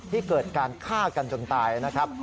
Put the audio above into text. ที่เกิดการฆ่ากันจนตายนะครับ